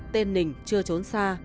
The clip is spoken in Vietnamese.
tên nình chưa trốn xa